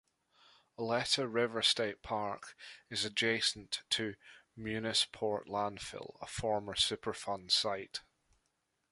Oleta River State Park is adjacent to Munisport landfill, a former superfund site.